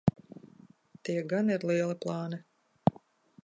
Tie gan ir lieli plāni.